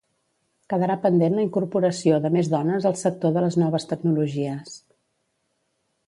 Quedarà pendent la incorporació de més dones al sector de les noves tecnologies.